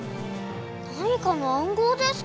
なにかの暗号ですか？